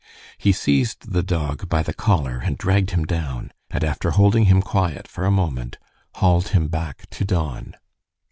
He seized the dog by the collar and dragged him down, and after holding him quiet for a moment, hauled him back to Don.